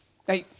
はい。